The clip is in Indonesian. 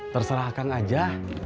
terserah akang aja